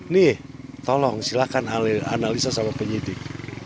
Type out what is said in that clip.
nih tolong silahkan analisa sama penyidik